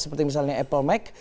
seperti misalnya apple mac